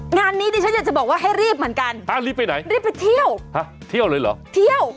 งานนี้ดิฉันอยากจะบอกว่าให้รีบเหมือนกันฮะรีบไปไหนรีบไปเที่ยวฮะเที่ยวเที่ยวเลยเหรอเที่ยว